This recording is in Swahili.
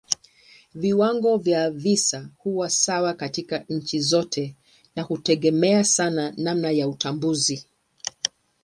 Viwango vya visa huwa sawa katika nchi zote na hutegemea sana namna ya utambuzi.